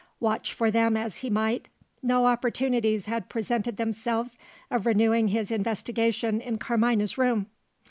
Watch for them as he might, no opportunities had presented themselves of renewing his investigation in Carmina's room.